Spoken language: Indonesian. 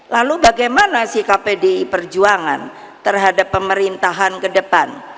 lalu bagaimana sikap pdi perjuangan terhadap pemerintahan ke depan